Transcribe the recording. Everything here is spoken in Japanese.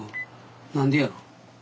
何でやろ？